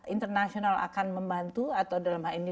internasional akan membantu atau dalam hal ini